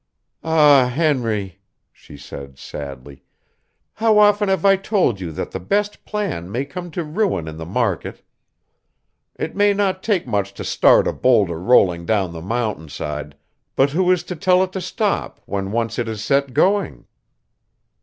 "Ah, Henry," she said sadly, "how often have I told you that the best plan may come to ruin in the market? It may not take much to start a boulder rolling down the mountain side, but who is to tell it to stop when once it is set going?"